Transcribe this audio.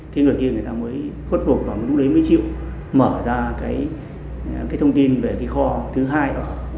cái người kia người ta mới phát phục và lúc đấy mới chịu mở ra cái thông tin về cái kho thứ hai